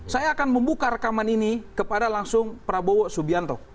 saya akan membuka rekaman ini kepada langsung prabowo subianto